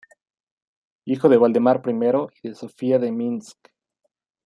Hijo de Valdemar I y de Sofía de Minsk.